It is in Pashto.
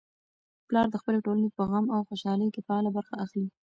پلار د خپلې ټولنې په غم او خوشالۍ کي فعاله برخه اخلي.